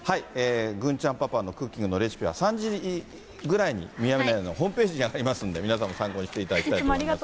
郡ちゃんパパのレシピは３時ぐらいにミヤネ屋のホームページに上がりますんで、皆さんも参考にしていただきたいと思います。